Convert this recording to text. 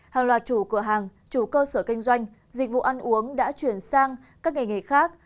hàng loạt chủ cửa hàng chủ cơ sở kinh doanh dịch vụ ăn uống đã chuyển sang các nghề nghề khác